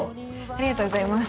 ありがとうございます。